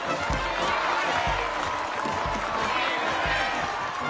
頑張れ！